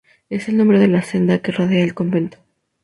Es el nombre de la senda que rodea el convento.